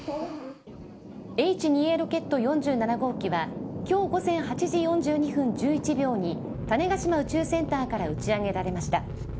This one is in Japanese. Ｈ２Ａロケット４７号機は今日午前８時４２分１１秒に種子島宇宙センターから打ち上げられました。